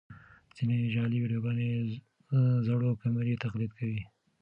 ځینې جعلي ویډیوګانې زړو کمرې تقلید کوي.